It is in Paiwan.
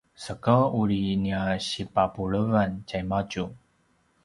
saka uri nia sipapulevan tjaimadju